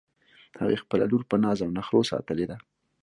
هغې خپله لور په ناز او نخروساتلی ده